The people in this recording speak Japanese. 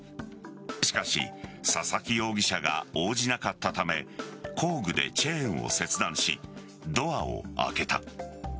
しかし佐々木容疑者が応じなかったため工具でチェーンを切断しドアを開けた。